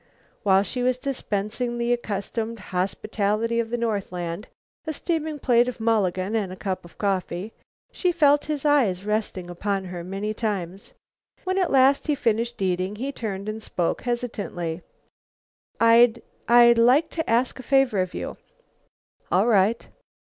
While she was dispensing the accustomed hospitality of the Northland, a steaming plate of "mulligan" and a cup of coffee, she felt his eyes resting upon her many times. When at last he had finished eating, he turned and spoke hesitatingly: "I I'd like to ask a favor of you." "All right."